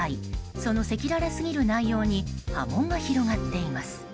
その赤裸々すぎる内容に波紋が広がっています。